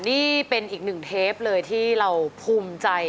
ขอบคุณค่ะ